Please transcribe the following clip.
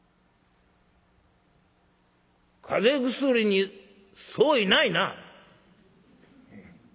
「風邪薬に相違ないな」。